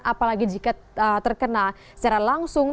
apalagi jika terkena secara langsung